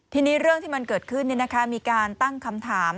ทีนี้เรื่องที่มันเกิดขึ้นมีการตั้งคำถาม